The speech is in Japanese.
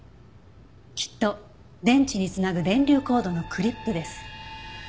きっと電池に繋ぐ電流コードのクリップです。